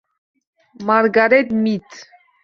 Margaret Mid